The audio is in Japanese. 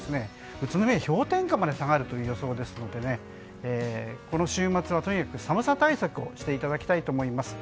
宇都宮は氷点下まで下がる予想なのでこの週末は、とにかく寒さ対策をしていただきたいと思います。